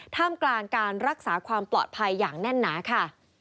ท่ามกลางการรักษาความปลอดภัยอย่างแน่นหนาค่ะ